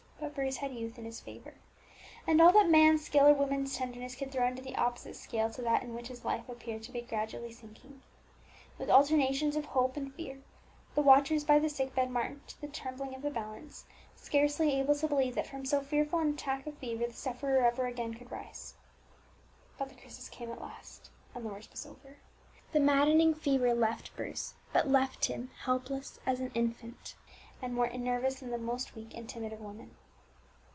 But Bruce had youth in his favour, and all that man's skill or woman's tenderness could throw into the opposite scale to that in which his life appeared to be gradually sinking. With alternations of hope and fear, the watchers by the sick bed marked the trembling of the balance, scarcely able to believe that from so fearful an attack of fever the sufferer ever again could rise. But the crisis came at last, and the worst was over; the maddening fever quitted the suffering Bruce, but left him helpless as an infant, and more nervous than the most weak and timid of women.